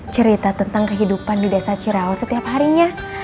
cerita tentang kehidupan di desa cirau setiap harinya